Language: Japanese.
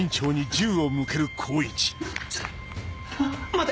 待て！